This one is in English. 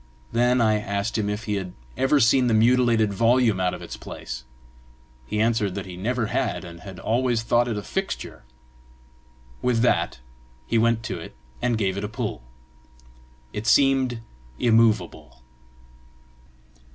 Then I asked him if he had ever seen the mutilated volume out of its place; he answered that he never had, and had always thought it a fixture. With that he went to it, and gave it a pull: it seemed immovable.